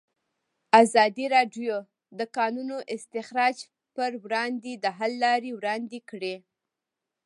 ازادي راډیو د د کانونو استخراج پر وړاندې د حل لارې وړاندې کړي.